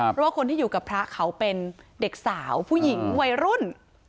เพราะว่าคนที่อยู่กับพระเขาเป็นเด็กสาวผู้หญิงวัยรุ่น